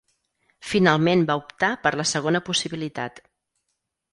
Finalment va optar per la segona possibilitat.